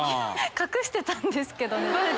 隠してたんですけどね。